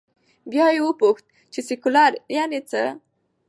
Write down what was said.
بیا یې وپوښت، چې سیکولر یعنې څه؟